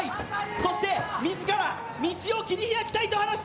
そして自ら道を切り開きたいと話した。